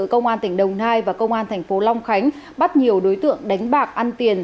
công an tỉnh đồng nai và công an thành phố long khánh bắt nhiều đối tượng đánh bạc ăn tiền